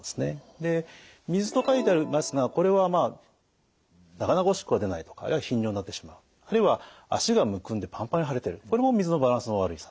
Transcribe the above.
で水と書いてありますがこれはまあなかなかおしっこが出ないとかあるいは頻尿になってしまうあるいは足がむくんでパンパンに腫れてるこれも水のバランスの悪さ。